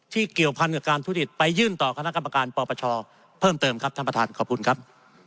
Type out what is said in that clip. เกี่ยวพันกับการทุดิตไปยื่นต่อคณะกรรมการปปชเพิ่มเติมครับท่านประธานขอบคุณครับ